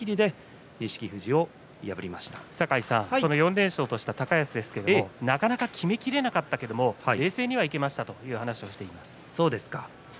４連勝とした高安ですがなかなかきめきれなかったけれども冷静にはいけましたと話をしていました。